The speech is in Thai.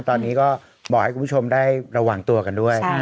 ตอนนี้ก็บอกให้คุณผู้ชมได้ระวังตัวกันด้วย